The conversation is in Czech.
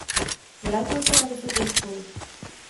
Vrátil se na vysokou školu.